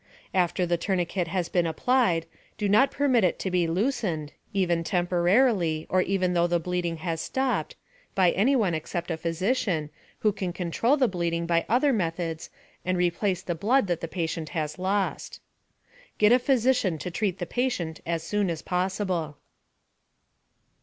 After the tourniquet has been applied, do not permit it to be loosened (even temporarily, or even though the bleeding has stopped) by anyone except a physician, who can control the bleeding by other methods and replace the blood that the patient has lost. Get a physician to treat the patient as soon as possible.